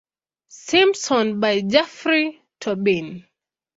Simpson by Jeffrey Toobin.